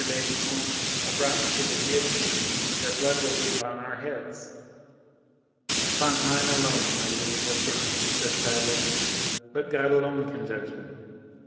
le Vicomte are brought to the guillotine, their blood will be upon our heads." "Upon mine alone, my little Etienne," she said sadly. "But God alone can judge me.